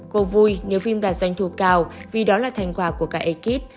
cô vui nếu phim đạt doanh thu cao vì đó là thành quả của cả ekip